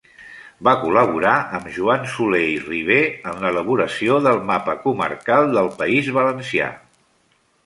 Va col·laborar amb Joan Soler i Riber en l'elaboració del mapa comarcal del País Valencià.